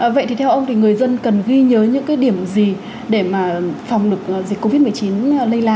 vậy thì theo ông thì người dân cần ghi nhớ những cái điểm gì để mà phòng được dịch covid một mươi chín lây lan